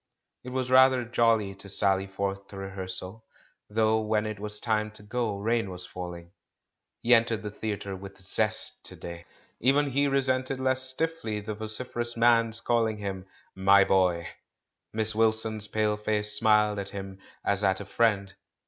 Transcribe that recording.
It was rather jolly to sally forth to rehearsal, though when it was time to go, rain was falling. He entered the theatre with zest to day. Even he resented less stiffly the vociferous man's calling him "my boy." Miss Wilson's pale face smiled at him as at a friend.